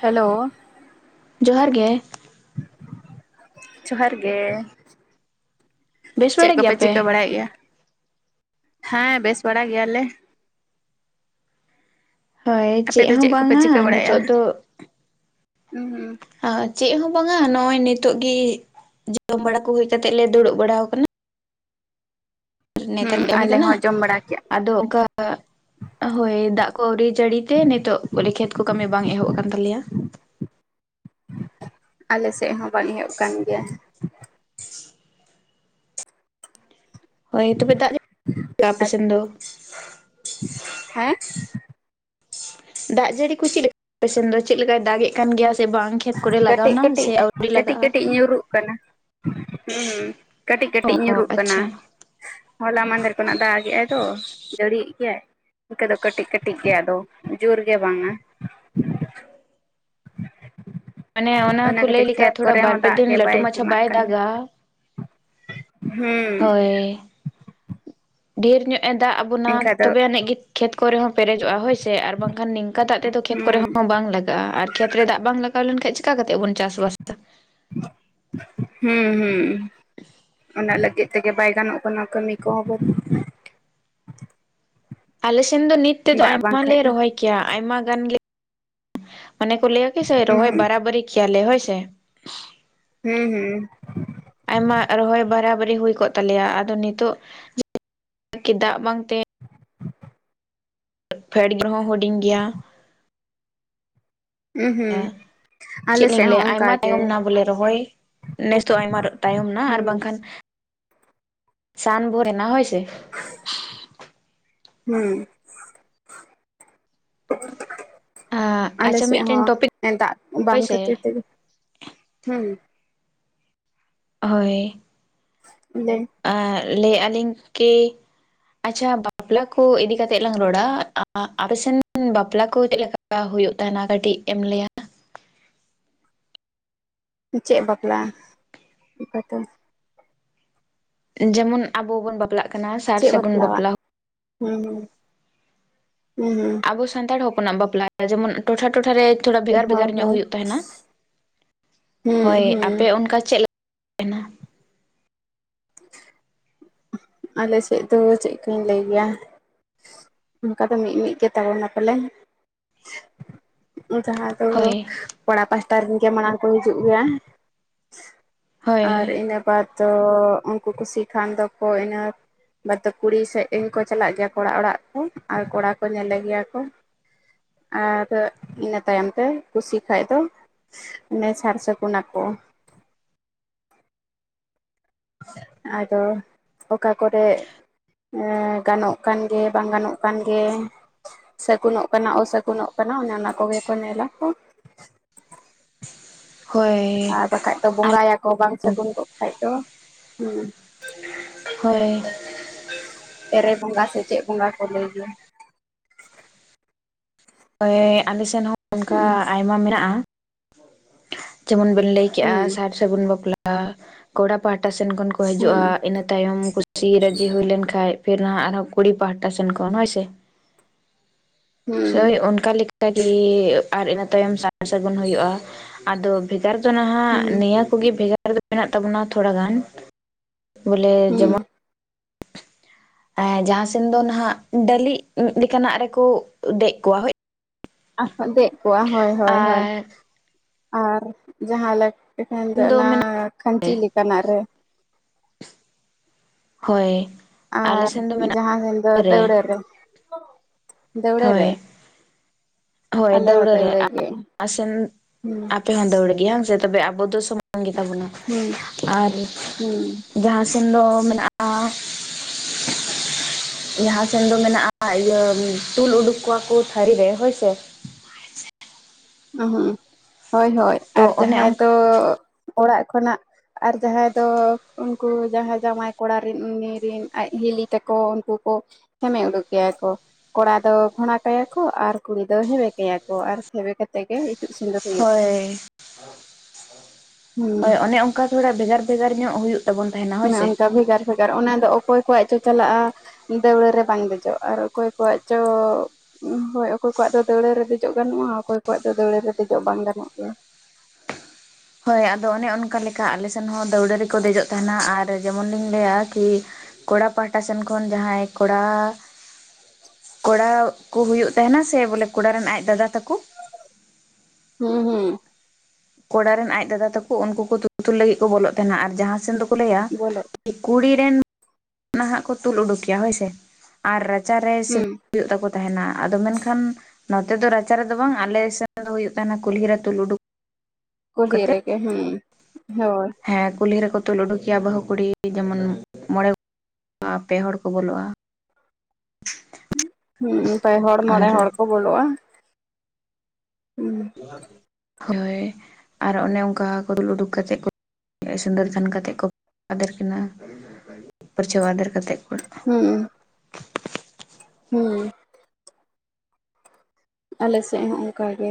Hello. ᱡᱚᱦᱟᱨ ᱜᱮ᱾ ᱡᱚᱦᱟᱨ ᱜᱮ᱾ ᱵᱮᱥ ᱪᱮᱜ ᱵᱟᱲᱟ ᱠᱚᱯᱮ ᱜᱮᱭᱟᱯᱮ? ᱪᱤᱠᱟᱹ ᱵᱟᱲᱟᱭᱮᱫ ᱜᱮᱭᱟ ᱦᱮᱸ ᱵᱮᱥ ᱵᱟᱲᱟ ᱜᱮᱭᱟ ᱞᱮ᱾ ᱦᱳᱭ ᱟᱯᱮ ᱪᱮᱫ ᱫᱚ ᱦᱚᱸ ᱠᱚᱯᱮ ᱵᱟᱝᱟ ᱪᱤᱠᱟᱹ ᱵᱟᱲᱟᱭᱮᱫᱼᱟ ᱱᱤᱛᱳᱜ ᱫᱚ ᱦᱩᱸ ᱟᱸ ᱪᱮᱫ ᱦᱚᱸ ᱵᱟᱝᱟ ᱱᱚᱜᱼᱚᱭ ᱱᱤᱛᱚᱜ ᱜᱤ ᱡᱚᱢ ᱵᱟᱲᱟ ᱠᱩ ᱦᱩᱭ ᱠᱟᱛᱮᱜ ᱞᱮ ᱫᱩᱲᱩᱵ ᱵᱟᱲᱟᱣ ᱠᱟᱱᱟ᱾ ᱱᱮᱛᱟᱨ ᱦᱩᱸ [inaudible] ᱠᱟᱹᱢᱤ ᱟᱞᱮ ᱠᱟᱱᱟ ᱦᱚᱸ ᱡᱚᱢ ᱵᱟᱲᱟ ᱠᱮᱜᱼᱟ ᱟᱫᱚ ᱚᱝᱠᱟ ᱦᱳᱭ ᱫᱟᱜ ᱠᱚ ᱟᱹᱣᱨᱤ ᱡᱟᱹᱲᱤ ᱛᱮ ᱱᱤᱛᱚᱜ ᱵᱚᱞᱮ ᱠᱷᱮᱛ ᱠᱚ ᱠᱟᱹᱢᱤ ᱵᱟᱝ ᱮᱦᱚᱵ ᱠᱟᱱ ᱛᱟᱞᱮᱭᱟ᱾ ᱟᱞᱮ ᱥᱮᱫ ᱦᱚᱸ ᱵᱟᱝ ᱮᱦᱚᱵ ᱠᱟᱱ ᱜᱮᱭᱟ᱾ ᱦᱳᱭ ᱛᱚᱵᱮ ᱫᱟᱜ ᱡᱟ [inaudible] ᱟᱯᱮ ᱥᱮᱱ ᱫᱚ? ᱦᱮᱸ? ᱫᱟᱜ ᱡᱟᱹᱲᱤ ᱠᱩ ᱪᱤᱫ ᱟᱯᱮ ᱥᱮᱱ ᱫᱚ ᱪᱮᱫ ᱞᱮᱠᱟᱭ ᱫᱟᱜᱮᱜ ᱠᱟᱱ ᱜᱮᱭᱟ ᱥᱮ ᱵᱟᱝ? ᱠᱷᱮᱛ ᱠᱚᱨᱮ ᱠᱟᱹᱴᱤᱡ ᱞᱟᱜᱟᱣᱱᱟ ᱠᱟᱹᱴᱤᱡ ᱥᱮ ᱟᱹᱣᱨᱤ ᱠᱟᱹᱴᱤᱡ ᱞᱟᱜᱟᱜᱼᱟ? ᱠᱟᱹᱴᱤᱡ ᱧᱩᱨᱩᱜ ᱠᱟᱱᱟ᱾ ᱦᱩᱸ ᱦᱩᱸ ᱠᱟᱹᱴᱤᱡ ᱚ ᱠᱟᱹᱴᱤᱡ ᱧᱩᱨᱩᱜ ᱠᱟᱱᱟ᱾ ᱟᱪᱪᱷᱟ ᱦᱚᱞᱟ ᱢᱟᱦᱫᱷᱮᱨ ᱠᱷᱚᱱᱟᱜ ᱫᱟᱜᱮᱟᱭ ᱛᱚ ᱡᱟᱹᱲᱤᱭ ᱮᱫ ᱜᱮᱭᱟᱭ᱾ ᱤᱱᱠᱟᱹ ᱫᱚ ᱠᱟᱹᱴᱤᱡ ᱠᱟᱹᱴᱤᱡ ᱜᱮ ᱟᱫᱚ ᱡᱳᱨ ᱜᱮ ᱵᱟᱝᱟ᱾ [unintelligible] ᱢᱟᱱᱮ ᱚᱱᱟ ᱠᱚ ᱞᱟᱹᱭ ᱠᱷᱟᱹᱛᱤᱨ ᱞᱮᱠᱟ ᱠᱷᱮᱛ ᱛᱷᱚᱲᱟ ᱠᱚᱨᱮ ᱵᱟᱨ ᱦᱚᱸ ᱯᱮ ᱫᱟᱜ ᱫᱤᱱ ᱜᱮ ᱞᱟᱹᱴᱩ ᱢᱟᱪᱷᱟ ᱡᱚᱢᱟᱜ ᱵᱟᱭ ᱠᱟᱱᱟ ᱫᱟᱜᱟ, ᱦᱩᱸ ᱦᱳᱭ᱾ ᱰᱷᱤᱨ ᱧᱚᱜ ᱮ ᱫᱟᱜ ᱟᱵᱚᱱᱟ ᱮᱱᱠᱷᱟᱡ ᱫᱚ ᱛᱚᱵᱮ ᱟᱹᱱᱤᱡ ᱜᱮ ᱠᱷᱮᱛ ᱠᱚᱨᱮ ᱦᱚᱸ ᱯᱮᱨᱮᱡᱚᱜᱼᱟ ᱦᱳᱭ ᱥᱮ ᱟᱨ ᱵᱟᱝ ᱠᱷᱟᱱ ᱱᱤᱝ ᱠᱟ ᱫᱟᱜ ᱛᱮᱫᱚ ᱠᱷᱮᱛ ᱠᱚᱨᱮ ᱦᱩᱸ ᱦᱚᱸ ᱵᱟᱝ ᱞᱟᱜᱟᱜᱼᱟ ᱟᱨ ᱠᱷᱮᱛ ᱨᱮ ᱫᱟᱜ ᱵᱟᱝ ᱞᱟᱜᱟᱣ ᱞᱮᱱᱠᱷᱟᱡ ᱪᱤᱠᱟ ᱠᱟᱛᱮᱫ ᱵᱚᱱ ᱪᱟᱥ-ᱵᱟᱥᱟ? ᱦᱩᱸ ᱦᱩᱸ ᱚᱱᱟ ᱞᱟᱹᱜᱤᱫ ᱛᱮᱜᱮ ᱵᱟᱭ ᱜᱟᱱᱚᱜ ᱠᱟᱱᱟ ᱠᱟᱹᱢᱤ ᱠᱚᱦᱚᱸ ᱵᱟᱹᱫ ᱟᱞᱮ ᱥᱮᱱ ᱫᱚ ᱱᱤᱛ ᱵᱟᱹᱫᱽ ᱛᱮᱫᱚ ᱫᱟᱜ ᱟᱭᱢᱟ ᱞᱮ ᱵᱟᱝᱠᱷᱟᱡ ᱫᱚ ᱨᱚᱦᱚᱭ ᱠᱮᱭᱟ ᱟᱭᱢᱟ ᱜᱟᱱ ᱜᱮ ᱚᱱᱮ ᱠᱚ ᱞᱟᱹᱭᱟ ᱜᱮᱥᱮ ᱨᱚᱦᱚᱭ ᱩᱸᱦᱩᱸ ᱵᱟᱨᱟ ᱵᱟᱨᱤ ᱠᱮᱭᱟᱞᱮ ᱦᱳᱭ ᱥᱮ? ᱦᱩᱸ ᱦᱩᱸ᱾ ᱟᱭᱢᱟ ᱨᱚᱦᱚᱭ ᱵᱟᱨᱟᱵᱟᱹᱨᱤ ᱦᱩᱭ ᱠᱚᱜ ᱛᱟᱞᱮᱭᱟ ᱟᱫᱚ ᱱᱤᱛᱚᱜ ᱠᱤ ᱫᱟᱜ ᱵᱟᱝ ᱛᱮ ᱯᱷᱮᱰ ᱜᱮ ᱨᱮᱦᱚᱸ ᱦᱩᱰᱤᱧ ᱜᱮᱭᱟ᱾ ᱩᱸ ᱦᱩᱸ᱾ ᱟᱞᱮ ᱪᱮᱫ ᱞᱤᱧ ᱥᱮᱫ ᱦᱚᱸ ᱞᱟᱹᱭᱟ, ᱚᱱᱠᱟ ᱟᱭᱢᱟ ᱜᱮ ᱛᱟᱭᱚᱢ ᱮᱱᱟ, ᱵᱚᱞᱮ ᱨᱚᱦᱚᱭ, ᱱᱮᱥ ᱫᱚ ᱟᱭᱢᱟᱨ ᱛᱟᱭᱚᱢ ᱮᱱᱟ, ᱟᱨ ᱦᱩᱸ ᱵᱟᱝᱠᱷᱟᱱ ᱥᱟᱱ ᱵᱷᱩᱨ ᱮᱱᱟ, ᱦᱳᱭ ᱥᱮ ᱾ ᱦᱩᱸᱼ, [unintelligible] ᱟᱞᱮ ᱟᱪᱪᱷᱟ ᱥᱮᱫ ᱢᱤᱫᱴᱮᱱ ᱦᱚᱸ, ᱴᱚᱯᱤᱠ ᱮᱸ ᱫᱟᱜ ᱦᱳᱭ ᱵᱟᱝ ᱥᱮ ᱠᱷᱟᱹᱛᱤᱨ ᱛᱮᱜᱮ, ᱦᱩᱸᱻ ᱦᱳᱭ, ᱾ ᱦᱚᱼ ᱞᱮ [unintelligible] ᱟᱼ ᱞᱟᱹᱭ, ᱮᱜᱼᱟᱹᱞᱤᱧ, ᱠᱤ ᱟᱪᱪᱷᱟ, ᱵᱟᱯᱞᱟ ᱠᱚ, ᱤᱫᱤ ᱠᱟᱛᱮᱜ ᱞᱟᱝ ᱨᱚᱲᱟ, [unintelligible] ᱟᱯᱮ ᱥᱮᱱ ᱵᱟᱯᱞᱟ ᱠᱚ, ᱪᱮᱫ ᱞᱮᱠᱟ? ᱞᱟ, ᱦᱩᱭᱩᱜ ᱛᱟᱸᱦᱮᱱᱟ, ᱠᱟᱹᱴᱤᱡ ᱮᱢ ᱞᱟᱹᱭᱟ? ᱪᱮᱫ? ᱵᱟᱯᱞᱟᱜ, ᱚᱠᱟ ᱟᱛᱳ? ᱡᱮᱢᱚᱱ, ᱟᱵᱚ ᱵᱚᱱ, ᱵᱟᱯᱞᱟᱜ ᱠᱟᱱᱟ ᱥᱟᱨ ᱪᱮᱜ ᱥᱟᱹᱜᱩᱱ ᱵᱟᱯᱞᱟᱣᱟ? ᱵᱟᱯᱞᱟ ᱦᱩᱸᱻ ᱦᱩᱸ, ᱦᱩᱸᱻ ᱦᱩᱸ ᱾ ᱟᱵᱚ, ᱥᱟᱱᱛᱟᱲ ᱦᱚᱯᱚᱱᱟᱜ ᱵᱟᱯᱞᱟ, ᱡᱮᱢᱚᱱ ᱴᱚᱴᱷᱟ, ᱴᱚᱴᱷᱟ ᱨᱮ ᱾ ᱛᱷᱚᱲᱟ, ᱵᱷᱮᱜᱟᱨ, ᱦᱳᱭ ᱵᱷᱮᱜᱟᱨ ᱧᱚᱜ, ᱦᱳᱭ ᱦᱩᱭᱩᱜ ᱛᱟᱦᱮᱸᱱᱟ ᱾ ᱦᱩᱸ ᱦᱳᱭ, ᱦᱩᱸ ᱟᱯᱮ ᱚᱱᱠᱟ ᱪᱮᱫ ᱞᱮᱠᱟ ᱛᱟᱦᱮᱱᱟ [unintelligible] [unintelligible] ᱟᱞᱮ ᱥᱮᱫ ᱫᱚ, ᱪᱮᱫ ᱠᱟᱧ ᱞᱟᱹᱭ ᱜᱮᱭᱟ? ᱚᱱᱠᱟ ᱫᱚ, ᱢᱤᱫ ᱢᱤᱫ ᱜᱮ, ᱛᱟᱵᱚᱱᱟ, ᱯᱟᱞᱮ, ᱡᱟᱦᱟᱸ ᱛᱚᱼᱦᱚ, ᱦᱳᱭ ᱠᱚᱲᱟ ᱯᱟᱥᱴᱟ ᱨᱮᱱ ᱜᱮ, ᱢᱟᱲᱟᱝ ᱠᱚ, ᱦᱤᱡᱩᱜ ᱜᱮᱭᱟ ᱦᱳᱭ ᱾ ᱟᱨ, ᱦᱳᱭ ᱤᱱᱟᱹ ᱵᱟᱫᱽ ᱫᱚ, ᱩᱱᱠᱩ, ᱠᱩᱥᱤ ᱠᱷᱟᱱ ᱫᱚᱠᱚ, ᱤᱱᱟᱹ ᱵᱟᱫ ᱫᱚ, ᱠᱩᱲᱤ ᱥᱮᱫ ᱨᱤᱱ ᱠᱚ, ᱪᱟᱞᱟᱜ ᱜᱮᱭᱟ, ᱠᱚᱲᱟ ᱚᱲᱟᱜ ᱠᱚ, ᱟᱨ ᱠᱚᱲᱟ ᱠᱚ ᱧᱮᱞᱮ ᱜᱮᱭᱟ ᱠᱚ ᱾ ᱟᱨ ᱤᱱᱟᱹ ᱛᱟᱭᱚᱢ ᱛᱮ, ᱠᱩᱥᱤ ᱠᱷᱟᱡ ᱫᱚ ᱢᱟᱱᱮ, ᱥᱟᱨ ᱥᱟᱹᱜᱩᱱ ᱟᱠᱚ ᱟᱫᱚ, ᱚᱠᱟ ᱠᱚᱨᱮ ᱮᱸᱼ, ᱜᱟᱱᱚᱜ ᱠᱟᱱ ᱜᱮ, ᱵᱟᱝ ᱜᱟᱱᱚᱜ ᱠᱟᱱ ᱜᱮ ᱾ ᱥᱟᱹᱜᱩᱱᱚᱜ ᱠᱟᱱᱟ, ᱚᱥᱟᱹᱜᱩᱱᱚᱜ ᱠᱟᱱᱟ, ᱚᱱᱮ ᱚᱱᱟ ᱠᱚᱜᱮ ᱠᱚ, ᱧᱮᱞᱟ ᱠᱚ, ᱦᱳᱭ ᱟᱨ, ᱵᱟᱠᱷᱟᱡ ᱫᱚ, ᱵᱚᱸᱜᱟᱭ ᱟᱠᱚ ᱵᱟᱝ ᱥᱟᱹᱜᱩᱱ ᱠᱚᱜ ᱠᱷᱟᱡ ᱫᱚ, ᱦᱮᱸᱻ ᱾ [unintelligible] ᱦᱳᱭ ᱾ ᱮᱨᱮ, ᱵᱚᱸᱜᱟ ᱥᱮ, ᱪᱮᱫ ᱵᱚᱸᱜᱟ ᱠᱚ, ᱞᱟᱹᱭ ᱜᱮᱭᱟ ᱾ ᱚᱭ ᱟᱞᱮ ᱥᱮᱱ ᱦᱚᱸ, ᱚᱱᱠᱟ ᱦᱩᱸ ᱟᱭᱢᱟ ᱢᱮᱱᱟᱜᱼᱟ, ᱡᱮᱢᱚᱱ ᱵᱮᱱ ᱞᱟᱹᱭ ᱠᱮᱜ-ᱟ, ᱦᱩᱸ ᱥᱟᱨ ᱥᱟᱹᱜᱩᱱ ᱵᱟᱯᱞᱟ, ᱠᱚᱲᱟ ᱯᱟᱦᱴᱟ ᱥᱮᱱ ᱠᱷᱚᱱ ᱠᱚ, ᱦᱩᱸ ᱦᱤᱡᱩᱜᱼᱟ, ᱤᱱᱟᱹ ᱛᱟᱭᱚᱢ ᱠᱩᱥᱤ ᱨᱟᱹᱡᱤ, ᱦᱩᱭ ᱞᱮᱱ ᱠᱷᱟᱱ, ᱯᱷᱤᱨ ᱱᱟᱦᱟᱜ ᱟᱨᱦᱚᱸ, ᱠᱩᱲᱤ ᱯᱟᱦᱴᱟ ᱥᱮᱱ ᱠᱷᱚᱱ, ᱦᱳᱭ ᱥᱮ ᱾ ᱦᱩᱸ ᱦᱳᱭ, ᱚᱱᱠᱟ ᱞᱮᱠᱟ ᱜᱮ, ᱨᱮᱟᱨ ᱤᱱᱟᱹ ᱛᱟᱭᱚᱢ ᱥᱟᱨ ᱥᱟᱹᱜᱩᱱ ᱦᱩᱭᱩᱜᱼᱟ, ᱟᱫᱚ ᱵᱷᱮᱜᱟᱨ ᱫᱚ, ᱱᱟᱦᱟᱜ ᱦᱩᱸ ᱱᱤᱭᱟᱹ ᱠᱚᱜᱮ, ᱵᱷᱮᱜᱟᱨ ᱫᱚ, ᱢᱮᱱᱟᱜ ᱛᱟᱵᱚᱱᱟ, ᱛᱷᱚᱲᱟ ᱜᱟᱱ ᱵᱚᱞᱮ, ᱦᱩᱸ ᱡᱮᱢᱚᱱ ᱡᱟᱦᱟᱸ ᱥᱮᱱ ᱫᱚ, ᱱᱟᱦᱟᱜ, ᱰᱟᱹᱞᱤᱡ ᱞᱮᱠᱟᱱᱟᱜ ᱨᱮᱠᱚ, ᱫᱮᱡ ᱠᱚᱣᱟ, ᱦᱳᱭ ᱾ ᱫᱮᱡ ᱠᱚᱜᱼᱟ, ᱦᱳᱭ ᱦᱳᱭ, ᱦᱚᱭ, ᱟᱨ ᱟᱨ ᱡᱟᱦᱟᱸ ᱞᱮ ᱮᱠᱷᱟᱱ ᱫᱚ, ᱚᱱᱟ ᱠᱷᱟᱧᱪᱤ ᱞᱮᱠᱟᱱᱟᱜ ᱨᱮ ᱦᱳᱭ ᱾ ᱟᱨ, ᱡᱟᱦᱟᱸ ᱥᱮᱱ ᱫᱚ, ᱫᱟᱹᱣᱲᱟᱹ ᱨᱮ, ᱫᱟᱹᱣᱲᱟᱹ ᱨᱮ ᱦᱳᱭ ᱾ ᱦᱳᱭ, ᱫᱟᱹᱣᱲᱟᱹ ᱨᱮ ᱾᱾ ᱟᱨ ᱟᱥᱮᱱ ᱦᱩᱸ [unintelligible] ᱱᱚᱛᱮ ᱦᱚᱸ, ᱫᱟᱹᱣᱲᱟᱹ ᱜᱮᱭᱟ, ᱥᱮ ᱛᱚᱵᱮ, ᱟᱵᱚ ᱫᱚ, ᱥᱚᱢᱟᱱ ᱜᱮ ᱛᱟᱵᱚᱱᱟ, ᱦᱩᱸ ᱟᱨ ᱦᱩᱸ ᱡᱟᱦᱟᱸ ᱥᱮᱱ ᱫᱚ, ᱢᱮᱱᱟᱜᱼᱟ ᱡᱟᱦᱟᱸ ᱥᱮᱱ ᱫᱚ ᱢᱮᱱᱟᱜᱼᱟ, ᱤᱭᱟᱹ ᱛᱩᱞ ᱩᱰᱩᱠ ᱠᱚᱣᱟ ᱠᱚ, ᱛᱷᱟᱹᱨᱤ ᱨᱮ, ᱦᱳᱭ ᱥᱮ ᱦᱳᱭ ᱦᱳᱭ, ᱛᱚ ᱟᱨ ᱚᱱᱮ ᱡᱟᱦᱟᱸᱭ ᱚᱱᱠᱟ ᱫᱚ, ᱚᱲᱟᱜ ᱠᱷᱚᱱᱟᱜ ᱟᱨ, ᱡᱟᱦᱟᱸᱭ ᱫᱚ, ᱩᱱᱠᱩ ᱡᱟᱦᱟᱸᱭ, ᱡᱟᱸᱣᱟᱭ ᱠᱚᱲᱟ ᱨᱮᱱ, ᱩᱱᱤ ᱨᱤᱱ ᱟᱡ ᱦᱤᱞᱤ ᱛᱟᱠᱚ, ᱩᱱᱠᱩ ᱠᱚ ᱦᱮᱢᱮ ᱩᱰᱩᱠ ᱜᱮᱭᱟ ᱠᱚ᱾ ᱠᱚᱲᱟ ᱫᱚ ᱜᱷᱽᱚᱲᱟ ᱠᱟᱭᱟ ᱠᱚ, ᱟᱨ ᱠᱩᱲᱤ ᱫᱚ ᱦᱮᱸᱵᱮ ᱠᱟᱭᱟ ᱠᱚ, ᱟᱨ ᱦᱮᱵᱮ ᱠᱟᱛᱮᱜ ᱜᱮ᱾ ᱤᱛᱩᱫ ᱥᱤᱸᱫᱩᱨ ᱦᱩᱭᱩᱜ ᱦᱳᱭ, ᱦᱩᱸ ᱦᱳᱭ ᱚᱱᱮ ᱚᱱᱠᱟ ᱛᱷᱚᱲᱟ ᱵᱷᱮᱜᱟᱨ-ᱵᱷᱮᱜᱟᱨ ᱧᱚᱜ ᱦᱩᱭᱩᱜ᱾ ᱛᱟᱵᱚᱱ ᱛᱟᱦᱮᱱᱟ ᱦᱳᱭ ᱚᱱᱮ ᱥᱮ ᱚᱱᱠᱟ ᱵᱷᱮᱜᱟᱨ - ᱵᱷᱮᱜᱟᱨ ᱚᱱᱟ ᱫᱚ ᱚᱠᱚᱭ ᱠᱚᱣᱟᱜ ᱪᱚ ᱪᱟᱞᱟᱜᱼᱟ᱾ ᱫᱟᱹᱣᱲᱟᱹ ᱨᱮ ᱵᱟᱝ ᱫᱮᱡᱚᱜ, ᱟᱨ ᱚᱠᱚᱭ ᱠᱚᱣᱟᱜ ᱪᱚ ᱦᱳᱭ᱾ ᱚᱠᱚᱭ ᱠᱚᱣᱟᱜ ᱫᱚ ᱫᱟᱹᱣᱲᱟᱹ ᱨᱮ ᱫᱮᱡᱚᱜ ᱜᱟᱱᱚᱜᱼᱟ᱾ ᱚᱠᱚᱭ ᱠᱚᱣᱟᱜ ᱫᱚ ᱫᱟᱹᱣᱹᱲᱟᱹ ᱨᱮ ᱫᱮᱡᱚᱜ ᱵᱟᱝ ᱜᱟᱱᱚᱜ ᱜᱮᱭᱟ᱾ ᱦᱳᱭ ᱟᱫᱚ ᱚᱱᱮ ᱚᱱᱠᱟ ᱞᱮᱠᱟ᱾ ᱟᱞᱮ ᱥᱮᱱ ᱦᱚᱸ ᱫᱟᱹᱣᱲᱟᱹ ᱨᱮᱠᱚ ᱫᱮᱡᱚᱜ ᱛᱟᱦᱮᱸᱱᱟ᱾ ᱟᱨ ᱡᱮᱢᱚᱱ ᱞᱤᱧ ᱞᱟᱹᱭᱟ ᱠᱤ ᱠᱚᱲᱟ ᱯᱟᱦᱴᱟ ᱥᱮᱱ ᱠᱷᱚᱱ ᱡᱟᱦᱟᱸᱭ, ᱠᱚᱲᱟ ᱠᱚᱲᱟ ᱠᱚ ᱦᱩᱭᱩᱜ ᱛᱟᱦᱮᱸᱱᱟ, ᱥᱮ ᱵᱚᱞᱮ ᱠᱚᱲᱟ ᱨᱮᱱ ᱟᱡ ᱫᱟᱫᱟ ᱛᱟᱠᱚ ᱦᱩᱸ ᱦᱩᱸ ᱠᱚᱲᱟ ᱨᱮᱱ ᱟᱡ ᱫᱟᱫᱟ ᱛᱟᱠᱚ ᱾ ᱩᱱᱠᱩ ᱠᱚ ᱛᱩᱜ ᱛᱩᱞ ᱞᱟᱹᱜᱤᱜ ᱠᱚ ᱵᱚᱞᱚᱜ ᱛᱟᱦᱮᱱᱟ, ᱟᱨ ᱡᱟᱦᱟᱸ ᱥᱮᱱ ᱫᱚᱠᱚ ᱞᱟᱹᱭᱟ ᱵᱚᱞᱚ ᱠᱩᱲᱤ ᱨᱮᱱ ᱱᱟᱦᱟᱜ ᱠᱚ ᱛᱩᱞ ᱩᱰᱩᱠᱮᱭᱟ᱾ ᱦᱳᱭᱥᱮ, ᱟᱨ ᱨᱟᱪᱟᱨᱮ ᱥᱤᱢ ᱦᱩᱸ ᱦᱩᱭᱩᱜ ᱛᱟᱠᱚ ᱛᱟᱦᱮᱱᱟ᱾ ᱟᱫᱚ ᱢᱮᱱᱠᱷᱟᱱ ᱱᱚᱛᱮ ᱫᱚ ᱨᱟᱪᱟ ᱨᱮᱫᱚ ᱵᱟᱝ ᱾ ᱟᱞᱮᱥᱮᱫ ᱛᱮᱫᱚ ᱦᱩᱭᱩᱜ ᱦᱩᱭᱩᱜ ᱛᱟᱦᱮᱱᱟ᱾ ᱠᱩᱞᱦᱤ ᱨᱮ ᱛᱩᱞ ᱩᱰᱩᱠ ᱠᱩᱞᱦᱤ ᱠᱟᱛᱮᱫ ᱨᱮ ᱜᱮ ᱦᱩᱸ, ᱦᱳᱭ᱾ ᱦᱮᱸ ᱠᱩᱞᱦᱤ ᱨᱮᱠᱚ ᱛᱩᱞ ᱩᱰᱩᱠᱮᱭᱟ᱾ ᱵᱟᱹᱦᱩ ᱠᱩᱲᱤ ᱡᱮᱢᱚᱱ ᱢᱚᱬᱮᱸ [unintelligible] ᱯᱮ ᱦᱚᱲ ᱠᱚ ᱵᱚᱞᱚᱜᱼᱟ᱾ ᱦᱩᱸ ᱯᱮ ᱦᱚᱲ ᱟᱨ ᱢᱚᱬᱮᱸ ᱦᱚᱲ ᱠᱚ ᱵᱚᱞᱚᱜᱼᱟ? ᱦᱩᱸ ᱦᱳᱭ, ᱟᱨ ᱚᱱᱮ ᱚᱝᱠᱟ ᱠᱚ ᱫᱩᱞ ᱩᱰᱩᱠ ᱠᱟᱛᱮᱜ ᱠᱚ ᱥᱩᱱᱫᱚᱨ ᱫᱷᱟᱱ ᱠᱟᱛᱮᱜ ᱠᱚ ᱟᱫᱮᱨ ᱠᱤᱱᱟ᱾ ᱯᱟᱹᱨᱪᱷᱟᱹᱣ ᱟᱫᱮᱨ ᱠᱟᱛᱮᱫ ᱠᱚ ᱦᱩᱸ᱾ ᱦᱩᱸ᱾ ᱟᱞᱮ ᱥᱮᱜ ᱦᱚᱸ ᱚᱝᱠᱟᱜᱮ᱾